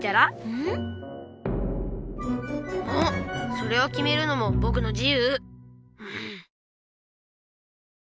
それをきめるのもぼくの自由！